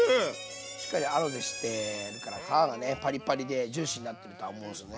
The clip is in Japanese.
しっかりアロゼしてるから皮がねパリパリでジューシーになってるとは思うんすよね。